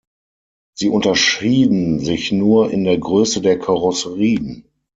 Sie unterschieden sich nur in der Größe der Karosserien.